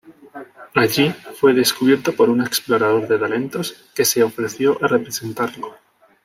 Allí fue descubierto por un explorador de talentos, que se ofreció a representarlo.